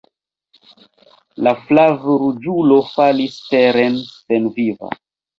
La flavruĝulo falis teren senviva.